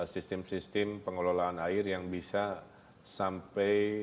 sistem sistem pengelolaan air yang bisa sampai